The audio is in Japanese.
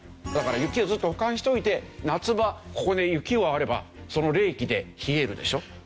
だから雪をずっと保管しておいて夏場ここに雪があればその冷気で冷えるでしょ？